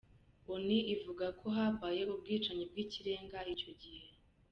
Onu ivuga ko habaye ubwicanyi bw'ikirenga ico gihe.